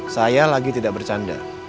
saya lagi tidak bercanda